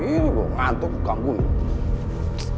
ini gua ngantuk bukanku nih